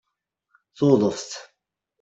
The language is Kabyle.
Tuḍeft